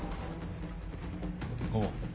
おう。